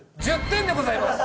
１０点でございます。